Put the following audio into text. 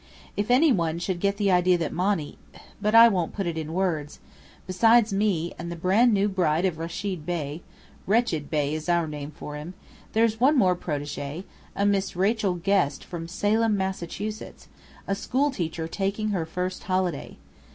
If any one should get the idea that Monny but I won't put it in words! Besides me, and the brand new bride of Rechid Bey ('Wretched Bey' is our name for him), there's one more protégée, a Miss Rachel Guest from Salem, Massachusetts, a school teacher taking her first holiday.